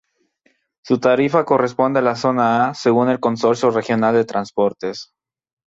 Su tarifa corresponde a la zona A según el Consorcio Regional de Transportes.